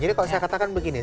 jadi kalau saya katakan begini